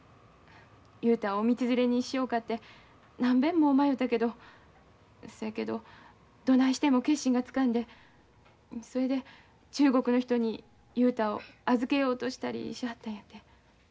雄太を道連れにしようかて何べんも迷うたけどそやけどどないしても決心がつかんでそれで中国の人に雄太を預けようとしたりしはったんやて。